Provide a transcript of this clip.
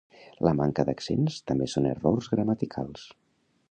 La manca d'accents també són errors gramaticals